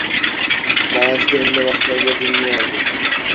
Macide önüne bakıyor ve dinliyordu.